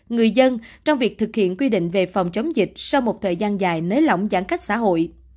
người dân trong việc thực hiện quy định về phòng chống dịch sau một thời gian dài nới lỏng giãn cách xã hội